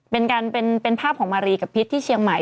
เป็นการเป็นภาพของมารีกับพริชน์ที่เชียงใหม่